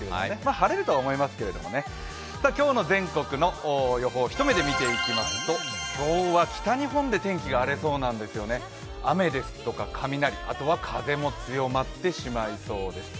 晴れるとは思いますけれどもね今日の全国の予報、一目で見ていきますと今日は北日本で雨ですとか雷、あとは風も強まってしまいそうです。